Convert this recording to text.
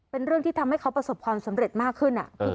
เป็นเรื่องที่ทำให้เขาประสบความสำเร็จมากขึ้น